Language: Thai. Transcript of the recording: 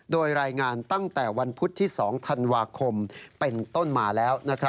โดยรายงานตั้งแต่วันพุธที่๒ธันวาคมเป็นต้นมาแล้ว